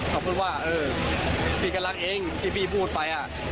เขาพูดว่าเออพี่ก็รักเองที่พี่พูดไป